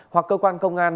hoặc cơ quan công an